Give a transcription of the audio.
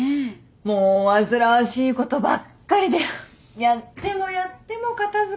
もう煩わしいことばっかりでやってもやっても片付かない。